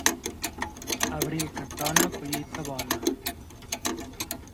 Abril que trona, collita bona.